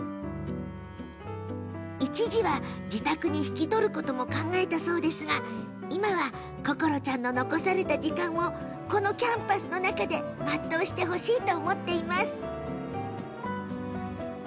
一時は自宅に引き取ることも考えたそうですが今はココロちゃんの残された時間をこのキャンパスの中で全うしてほしいと思っています。